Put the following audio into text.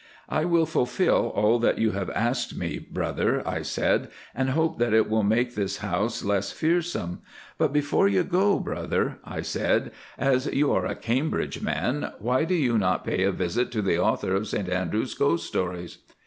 'I will fulfill all that you have asked me brother,' I said, 'and hope that it will make this house less fearsome. But before you go, brother,' I said, 'as you are a Cambridge man, why do you not pay a visit to the author of St Andrews Ghost Stories?